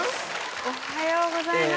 おはようございます。